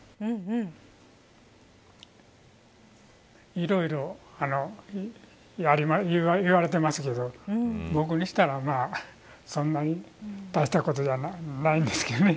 いろいろ言われてますけど僕にしたら、そんなに大したことじゃないんですけどね。